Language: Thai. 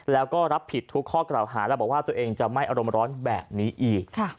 แล้วก็รับผิดทุกข้อคราวหาและบอกว่าตัวเองจะไม่อร่นแบบนี้อีกค่ะ